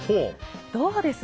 どうです？